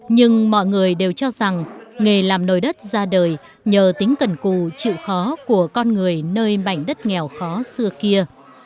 nhưng mọi người đều cho rằng nghề làm nồi đất ra đời nhờ tính cần cù chịu khó của con người nơi mảnh đất nghèo khó xưa kia